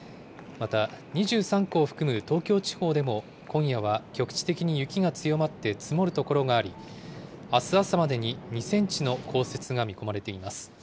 また、２３区を含む東京地方でも、今夜は局地的に雪が強まって積もる所があり、あす朝までに２センチの降雪が見込まれています。